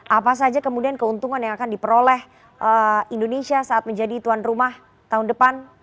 apa saja kemudian keuntungan yang akan diperoleh indonesia saat menjadi tuan rumah tahun depan